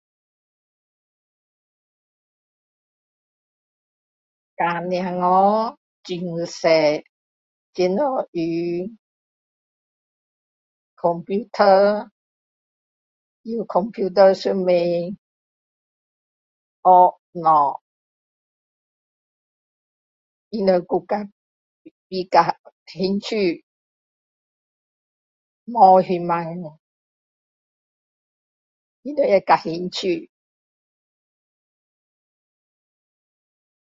教小孩，从小怎么用computer, computer 上面，学东西，他们 [unintelligible] 比较兴趣，无那么，他们也较兴趣。